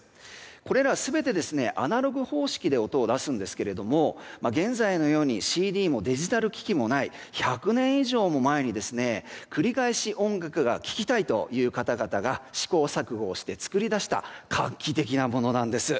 これら全てアナログ方式で音を出すんですけど現在のようにＣＤもデジタル機器もない１００年以上も前に繰り返し音楽を聴きたいという方々が試行錯誤をして作り出した画期的なものなんです。